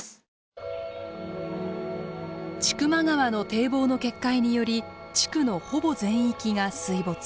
千曲川の堤防の決壊により地区のほぼ全域が水没。